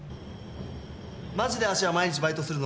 マジで芦屋毎日バイトするの？